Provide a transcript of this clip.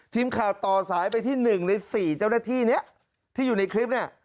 ทีมข่าวต่อสายไปที่๑ใน๔เจ้าหน้าที่นี้ที่อยู่ในคลิปเนี่ย